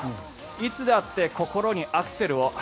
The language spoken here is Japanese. いつだって心にアクセルを。